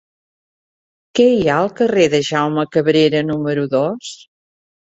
Què hi ha al carrer de Jaume Cabrera número dos?